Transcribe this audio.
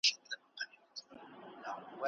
جهاني د هغي ورځي په ارمان یم